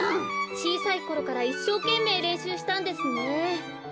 ちいさいころからいっしょうけんめいれんしゅうしたんですね。